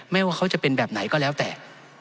ว่าเขาจะเป็นแบบไหนก็แล้วแต่